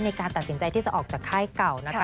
ในการตัดสินใจที่จะออกจากค่ายเก่านะคะ